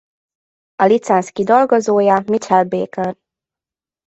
A licenc kidolgozója Mitchell Baker.